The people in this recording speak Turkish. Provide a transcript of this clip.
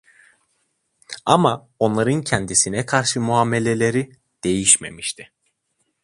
Ama onların kendisine karşı muameleleri değişmemişti.